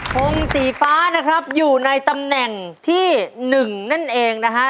งสีฟ้านะครับอยู่ในตำแหน่งที่๑นั่นเองนะฮะ